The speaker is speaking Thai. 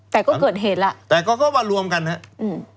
แต่ก็เกิดเหตุล่ะแต่ก็ก็มารวมกันฮะอืม